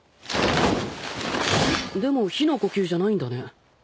でも日の呼吸じゃないんだね使うの。